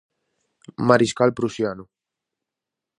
Mariscal prusiano.